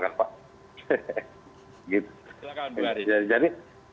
silakan bu haris